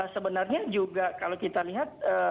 sebenarnya juga kalau kita lihat